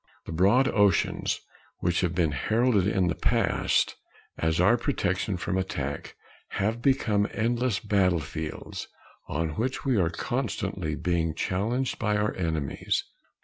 The broad oceans which have been heralded in the past as our protection from attack have become endless battlefields on which we are constantly being challenged by our enemies.